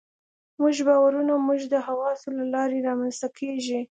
زموږ باورونه زموږ د حواسو له لارې رامنځته کېږي.